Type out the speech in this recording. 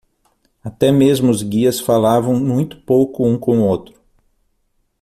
Até mesmo os guias falavam muito pouco um com o outro.